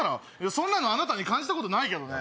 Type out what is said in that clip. そんなのあなたに感じたことないけどね。